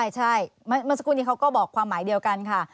ใช่เมื่อสักครู่นี้เขาก็บอกความหมายเดียวกันค่ะ